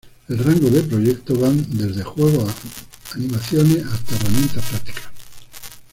El rango de proyectos van desde juegos animaciones hasta herramientas prácticas.